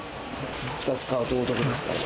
２つ買うとお得ですから。